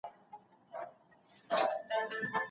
ړوند هلک له ډاره په اوږه باندي مڼه وساتله.